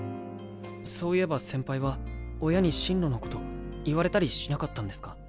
そういえば先輩は親に進路のこと言われたりしなかったんですか？